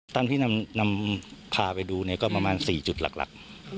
ตามที่นำพาไปดูเนี่ยก็ประมาณ๔จุดหลัก